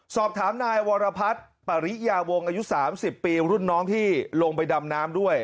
สอบถามนายวรพัฒน์ปริยาวงอายุ๓๐ปีรุ่นน้องที่ลงไปดำน้ำด้วย